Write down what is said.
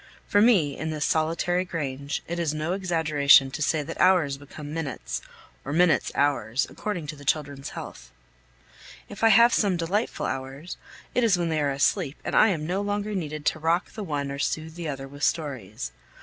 For me, in this solitary grange, it is no exaggeration to say that hours become minutes, or minutes hours, according to the children's health. If I have some delightful hours, it is when they are asleep and I am no longer needed to rock the one or soothe the other with stories.